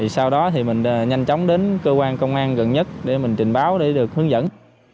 sau đó thì mình nhanh chóng đến cơ quan công an gần nhất để mình trình báo để được hướng dẫn